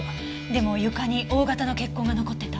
でも床にＯ型の血痕が残ってた。